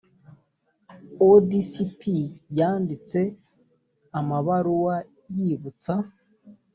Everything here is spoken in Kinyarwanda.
odcp yanditse amabaruwa yibutsa